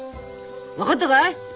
分かったかい？